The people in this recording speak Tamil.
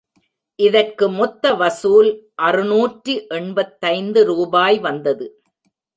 இதற்கு மொத்த வசூல் அறுநூற்று எண்பத்தைந்து ரூபாய் வந்தது.